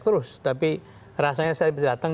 terus tapi rasanya saya bisa datang